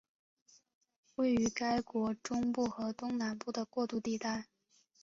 位于该国中部和东南部的过渡地带。